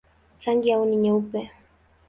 Rangi yao ni nyeupe.